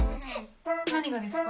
何がですか？